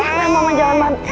nah mama jangan mahal